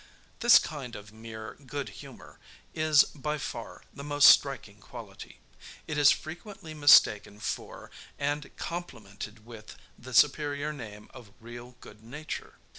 This kind of mere good humor is, by far, the most striking quality. It is frequently mistaken for and complimented with the superior name of real good nature.